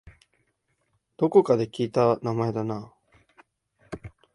どこかで聞いた名前だな